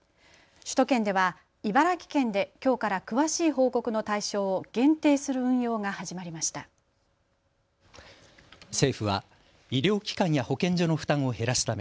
首都圏では茨城県できょうから詳しい報告の対象を限定する運用が始まりました。